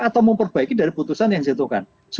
atau memperbaiki dari putusan yang disitu kan